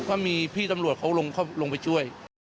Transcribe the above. ว่ามีพี่ตำรวจเขาลงไปช่วย